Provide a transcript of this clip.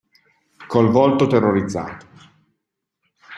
Col volto terrorizzato.